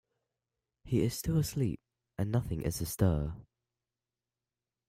He is still asleep, and nothing is astir.